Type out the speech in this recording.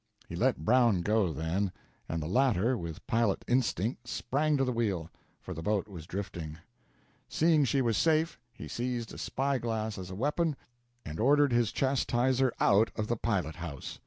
He let Brown go then, and the latter, with pilot instinct, sprang to the wheel, for the boat was drifting. Seeing she was safe, he seized a spy glass as a weapon and ordered his chastiser out of the pilot house.